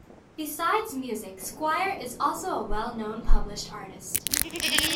Besides music, Squire is also a well-known, published artist.